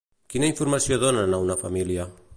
Quina informació donen a una família?